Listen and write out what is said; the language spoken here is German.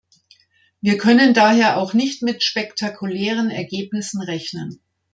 Wir können daher auch nicht mit spektakulären Ergebnissen rechnen.